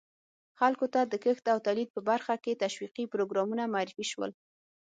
خلکو ته د کښت او تولید په برخه کې تشویقي پروګرامونه معرفي شول.